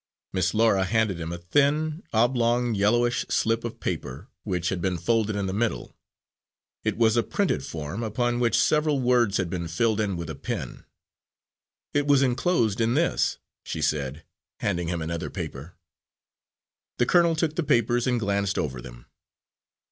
Miss Laura handed him a thin, oblong, yellowish slip of paper, which had been folded in the middle; it was a printed form, upon which several words had been filled in with a pen. "It was enclosed in this," she said, handing him another paper. The colonel took the papers and glanced over them.